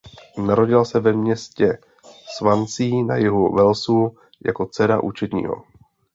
Narodila se ve městě Swansea na jihu Walesu jako dcera účetního.